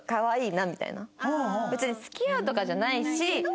別に付き合うとかじゃないし。